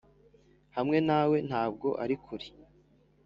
hamwe nawe; ntabwo ari kure.